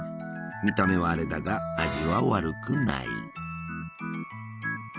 見た目はアレだが味は悪くない。